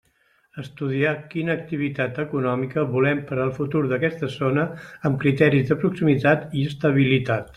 Estudiar quina activitat econòmica volem per al futur d'aquesta zona amb criteris de proximitat i estabilitat.